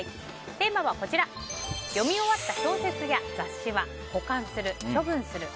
テーマは読み終わった小説や雑誌は保管する・処分する。